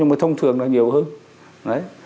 với thông thường là nhiều hơn